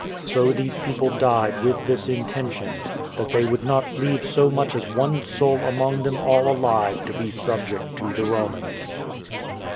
So these people died with this intention, that they would not leave so much as one soul among them all alive to be subject to the Romans.